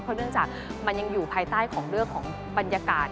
เนื่องจากมันยังอยู่ภายใต้ของเรื่องของบรรยากาศ